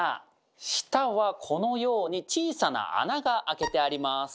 下はこのように小さな穴が開けてあります。